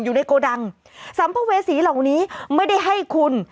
อยู่ในโกดังสัมภเวษีเหล่านี้ไม่ได้ให้คุณ